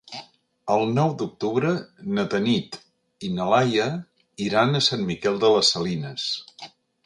El nou d'octubre na Tanit i na Laia iran a Sant Miquel de les Salines.